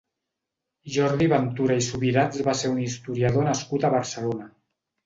Jordi Ventura i Subirats va ser un historiador nascut a Barcelona.